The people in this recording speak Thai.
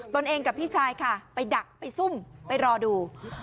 เองกับพี่ชายค่ะไปดักไปซุ่มไปรอดู